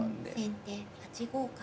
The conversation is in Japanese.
先手８五角。